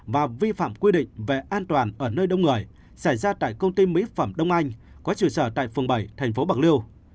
và vi phạm quy định về an toàn ở nơi đông người xảy ra tại công ty mỹ phẩm đông anh có trụ sở tại phường bảy thành phố bạc liêu